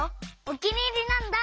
おきにいりなんだ！